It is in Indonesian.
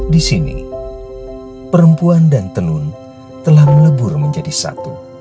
di sini perempuan dan tenun telah melebur menjadi satu